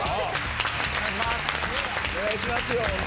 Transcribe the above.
お願いします！